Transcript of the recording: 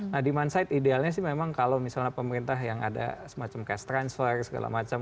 nah demand side idealnya sih memang kalau misalnya pemerintah yang ada semacam cash transfer segala macam